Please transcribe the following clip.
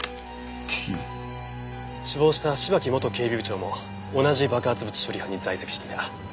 死亡した芝木元警備部長も同じ爆発物処理班に在籍していた。